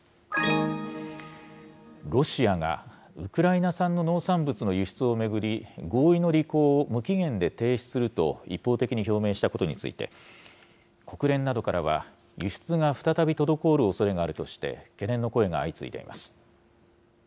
ロシアがウクライナ産の農産物の輸出を巡り、合意の履行を無期限で停止すると一方的に表明したことについて、国連などからは、輸出が再び滞るおそれがあるとして、懸念の声が相次いでいます。